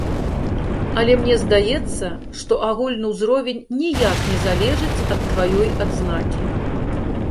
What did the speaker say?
Але мне здаецца, што агульны ўзровень ніяк не залежыць ад тваёй адзнакі.